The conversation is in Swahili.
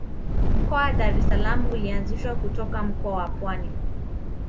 mkoa wa dar es salaam ulianzishwa kutoka mkoa wa pwani